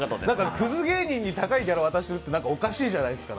クズ芸人に高いギャラ渡すっておかしいじゃないですか。